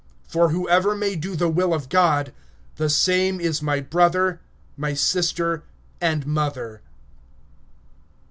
(35)For whoever shall do the will of God, he is my brother, and sister, and mother.